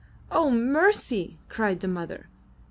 "Oh, mercy!" cried the mother.